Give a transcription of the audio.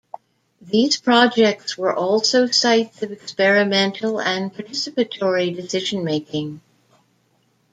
These projects were also sites of experimental and participatory decision making.